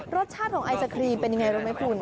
รสชาติของไอศครีมเป็นยังไงรู้ไหมคุณ